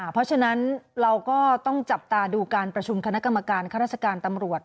เพราะฉะนั้นเราก็ต้องจับตาดูการประชุมคณะกรรมการข้าราชการตำรวจ